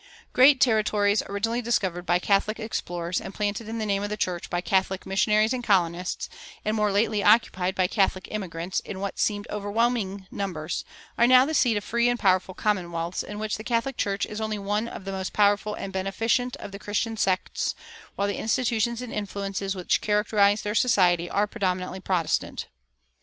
"[331:1] Great territories originally discovered by Catholic explorers and planted in the name of the church by Catholic missionaries and colonists, and more lately occupied by Catholic immigrants in what seemed overwhelming numbers, are now the seat of free and powerful commonwealths in which the Catholic Church is only one of the most powerful and beneficent of the Christian sects, while the institutions and influences which characterize their society are predominantly Protestant.